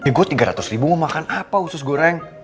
gue tiga ratus ribu mau makan apa usus goreng